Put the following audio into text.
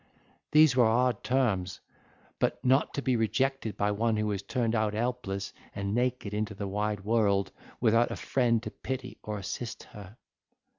These were hard terms, but not to be rejected by one who was turned out helpless and naked into the wide world, without a friend to pity or assist her.